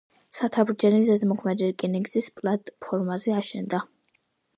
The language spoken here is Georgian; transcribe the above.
ცათამბჯენი ზედ მოქმედი რკინიგზის პლატფორმაზე აშენდა.